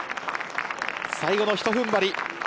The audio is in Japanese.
最後のひと踏ん張り